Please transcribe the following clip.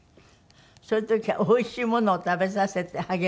そういう時はおいしいものを食べさせて励ました？